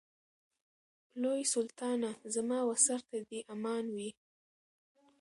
لوی سلطانه زما و سر ته دي امان وي